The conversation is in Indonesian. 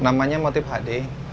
namanya motif hd